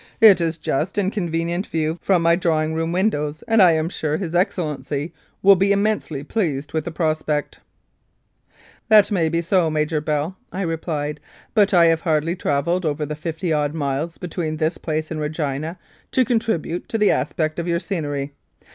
It is just in convenient Mounted Police Life in Canada view from my drawing room windows, and I am sure His Excellency will be immensely pleased with the prospect." "That may be so, Major Bell," I replied, "but I have hardly travelled over the fifty odd miles between this place and Regina to contribute to the aspect of your scenery.